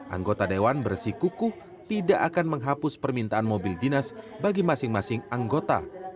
anggota dewan bersikukuh tidak akan menghapus permintaan mobil dinas bagi masing masing anggota